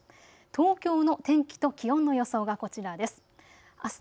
東京の天気と気温の予想がこちらです。